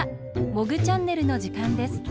「モグチャンネル」のじかんです。